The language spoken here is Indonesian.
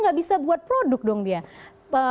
gak bisa buat produk dong dia